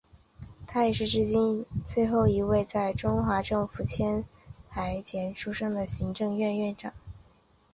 他也是至今最后一位在中华民国政府迁台前出生的行政院院长。